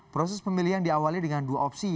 proses pemilihan diawali dengan dua opsi